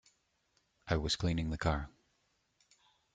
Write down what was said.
I was cleaning the car.